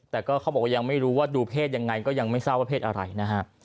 แต่ก็เขาบอกว่ายังไม่รู้ว่าดูเพศยังไงก็ยังไม่ทราบว่าเพศอะไรนะฮะ